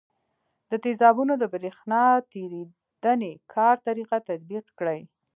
د تیزابونو د برېښنا تیریدنې کار طریقه تطبیق کړئ.